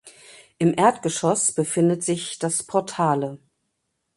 Im Erdgeschoss befindet sich das Portale.